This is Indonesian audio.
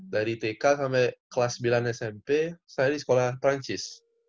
dari tk sampai kelas sembilan smp saya di sekolah perancis